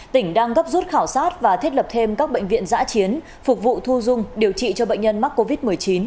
tỉnh đang gấp rút khảo sát và thiết lập thêm các bệnh viện giã chiến phục vụ thu dung điều trị cho bệnh nhân mắc covid một mươi chín